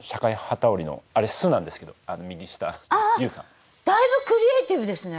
ああだいぶクリエーティブですね。